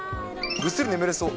ぐっすり眠れそう。